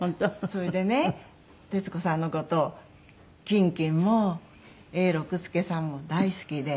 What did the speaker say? それでね徹子さんの事キンキンも永六輔さんも大好きで。